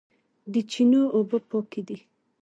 د چینو اوبه پاکې دي